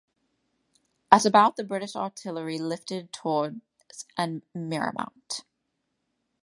At about the British artillery lifted towards and Miraumont.